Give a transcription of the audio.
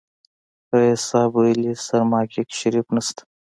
ريس صيب ويلې سرماکيک شريف نسته.